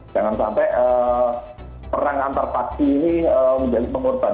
jangan sampai perang antar paksi ini menjadi pengorban